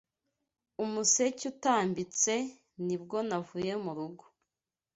Umuseke utambitse nibwo navuye m’ urugo